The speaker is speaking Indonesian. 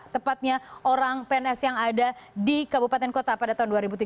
tepatnya orang pns yang ada di kabupaten kota pada tahun dua ribu tiga belas